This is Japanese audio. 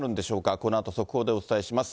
このあと速報でお伝えします。